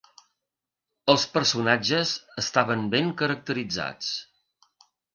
Els personatges estaven ben caracteritzats.